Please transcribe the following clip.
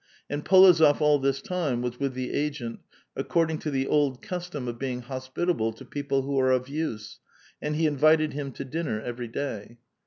And P61ozof ail this time was with the agent, according to the old custom of being hospitable to people who are of use^ and he invited him to dinner every day.